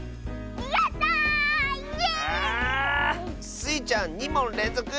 スイちゃん２もんれんぞく！